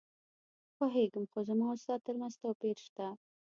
پوهېږم، خو زما او ستا ترمنځ توپیر شته.